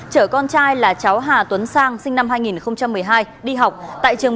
chở con trai là cháu hà tuấn sang